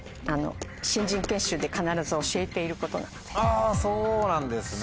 あそうなんですね。